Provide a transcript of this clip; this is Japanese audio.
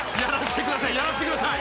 やらせてください。